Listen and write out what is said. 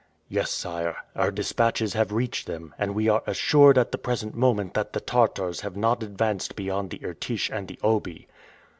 "Yes, sire; our dispatches have reached them, and we are assured at the present moment that the Tartars have not advanced beyond the Irtish and the Obi."